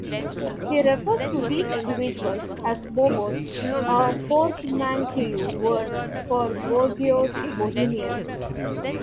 He refers to these individuals as "bobos", a portmanteau word for "bourgeois bohemians".